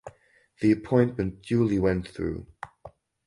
The appointment duly went through.